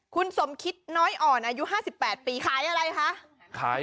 คุณสมคิดน้อยอ่อนอายุ๕๘ปีขายอะไรคะ